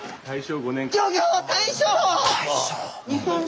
大正！